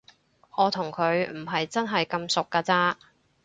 我同佢唔係真係咁熟㗎咋